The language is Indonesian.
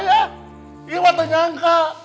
saya sudah menyangka